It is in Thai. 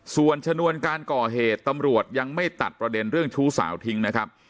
ส่วนชนวนการก่อเหตุตำรวจยังไม่ตัดประเด็นเรื่องชู้สาวทิ้งนะครับ